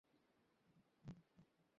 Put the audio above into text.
ঐ একটুখানি কথা অর্থে ভরে উঠল।